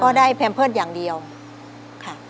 ได้แพมเพิร์ตอย่างเดียวค่ะ